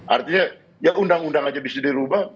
artinya ya undang undang aja bisa dirubah